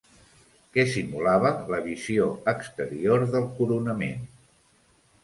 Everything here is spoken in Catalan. Què simulava la visió exterior del coronament?